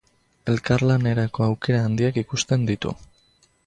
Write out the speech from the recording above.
Elkarlanerako aukera handiak ikusten ditu.